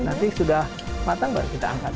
nanti sudah matang baru kita angkat